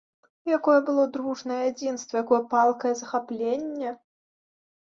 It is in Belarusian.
Якое было дружнае адзінства, якое палкае захапленне!